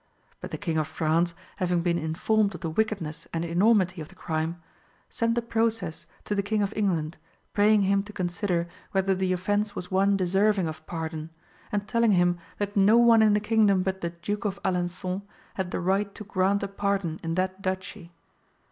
But the King of France, having been informed of the wickedness and enormity of the crime, sent the process to the King of England, praying him to consider whether the offence was one deserving of pardon, and telling him that no one in the kingdom but the Duke of Alençon had the right to grant a pardon in that duchy.